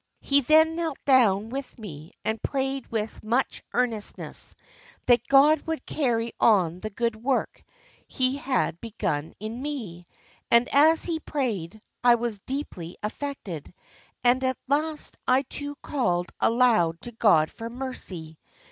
He then knelt down with me, and prayed with much earnestness, that God would carry on the good work He had begun in me; and as he prayed, I was deeply affected, and at last I too called aloud to God for mercy.